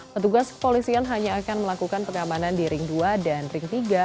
petugas kepolisian hanya akan melakukan pengamanan di ring dua dan ring tiga